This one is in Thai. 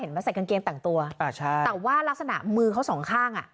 มาใส่กางเกงแต่งตัวอ่าใช่แต่ว่ารักษณะมือเขาสองข้างอ่ะ